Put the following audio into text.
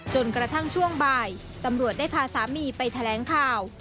จนกระทั่งช่วงบ่ายตำรวจได้พาสามีไปแถลงข่าว